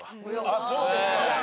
あっそうですか。